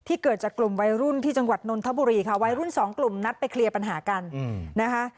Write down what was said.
เกิดจากกลุ่มวัยรุ่นที่จังหวัดนนทบุรีค่ะวัยรุ่นสองกลุ่มนัดไปเคลียร์ปัญหากันนะคะ